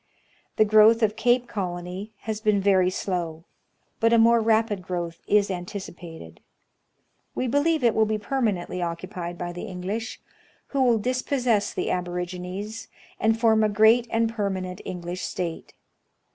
The growth of Cape Colony has been very slow, but a more rapid growth is anticipated. We believe it will be permanently occupied by the English, who will disposses the aborigines, and foi m a great and permanent English State.